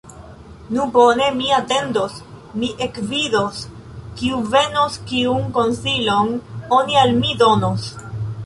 Nu bone, mi atendos, mi ekvidos, kiu venos, kiun konsilon oni al mi donos!